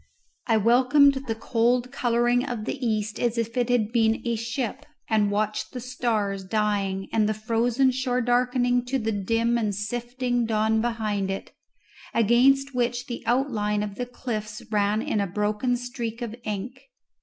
I welcomed the cold colouring of the east as if it had been a ship, and watched the stars dying and the frozen shore darkening to the dim and sifting dawn behind it, against which the outline of the cliffs ran in a broken streak of ink.